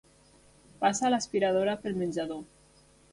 Passa l'aspiradora pel menjador.